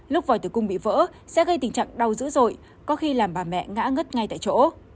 lúc vòi tử cung bị vỡ sẽ gây tình trạng đau dữ dội có khi làm bà mẹ ngã ngất ngay tại chỗ